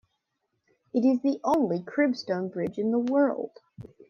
It is the only cribstone bridge in the world.